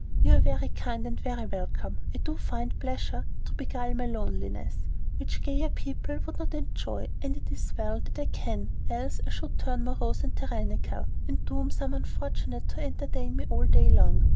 "You are very kind and very welcome. I do find pleasures to beguile my loneliness, which gayer people would not enjoy, and it is well that I can, else I should turn morose and tyrannical, and doom some unfortunate to entertain me all day long."